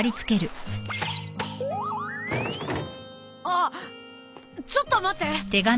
あっちょっと待って。